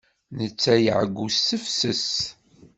Netta iɛeyyu s tefses.